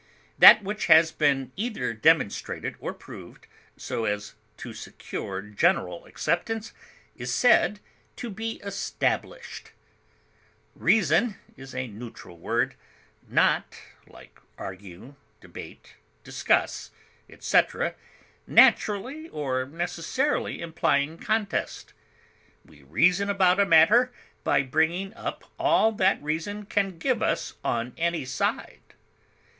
That which has been either demonstrated or proved so as to secure general acceptance is said to be established. Reason is a neutral word, not, like argue, debate, discuss, etc., naturally or necessarily implying contest. We reason about a matter by bringing up all that reason can give us on any side.